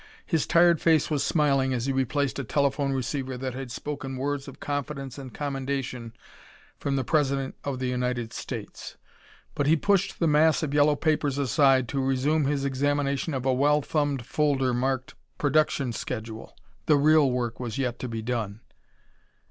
His tired face was smiling as he replaced a telephone receiver that had spoken words of confidence and commendation from the President of the United States. But he pushed the mass of yellow papers aside to resume his examination of a well thumbed folder marked: "Production Schedule." The real work was yet to be done.